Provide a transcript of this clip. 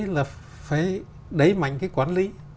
là phải đẩy mạnh cái quản lý